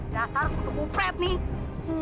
dasar untuk kupret nih